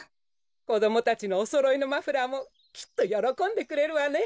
こどもたちのおそろいのマフラーもきっとよろこんでくれるわね。